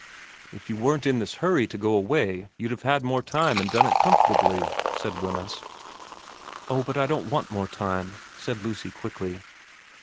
* If you weren't in this hurry to go away you'd have had more time and done it comfortably,' said Wemyss. * Oh, but I don't want more time,' said Lucy quickly.